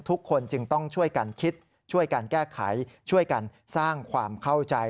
ทุกคนจึงต้องช่วยกันคิดช่วยกันแก้ไขช่วยกันสร้างความเข้าใจ